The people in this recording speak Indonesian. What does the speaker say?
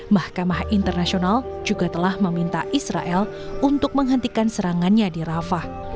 mahkamah internasional juga telah meminta israel untuk menghentikan serangannya di rafah